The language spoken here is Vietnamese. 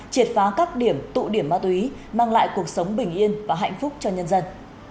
triệt phá các điểm tụ điểm ma túy mang lại cuộc sống bình yên và hạnh phúc cho nhân dân